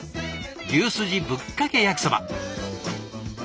牛スジぶっかけ焼きそば。